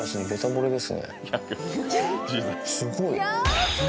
すごい。何？